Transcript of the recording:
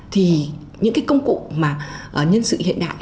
thì những cái công cụ mà nhân sự hiện đại